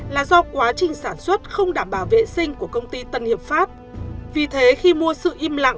là do quá trình sản xuất không đảm bảo vệ sinh của công ty tân hiệp pháp vì thế khi mua sự im lặng